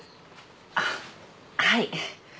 あっはい。